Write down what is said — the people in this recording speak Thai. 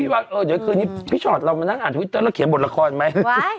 ว่าเดี๋ยวคืนนี้พี่ชอตเรามานั่งอ่านทวิตเตอร์แล้วเขียนบทละครไหม